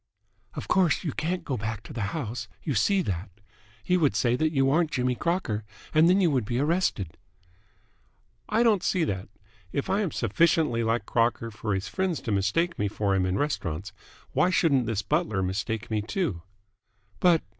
"Of course, you can't go back to the house. You see that? He would say that you aren't Jimmy Crocker and then you would be arrested." "I don't see that. If I am sufficiently like Crocker for his friends to mistake me for him in restaurants, why shouldn't this butler mistake me, too?" "But